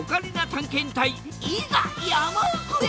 探検隊いざ山奥へ！